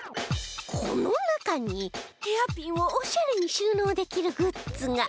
この中にヘアピンをオシャレに収納できるグッズが